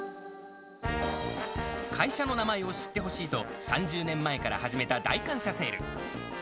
会社の名前を知ってほしいと、３０年前から始めた大感謝セール。